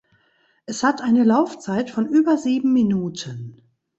Es hat eine Laufzeit von über sieben Minuten.